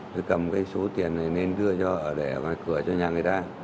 tôi cầm cái số tiền này lên đưa cho để vào cửa cho nhà người ta